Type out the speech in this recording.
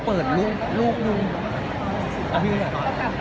มีโครงการทุกทีใช่ไหม